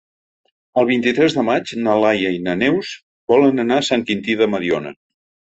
El vint-i-tres de maig na Laia i na Neus volen anar a Sant Quintí de Mediona.